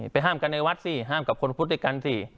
ห้ามกันในวัดสิห้ามกับคนพุทธด้วยกันสิ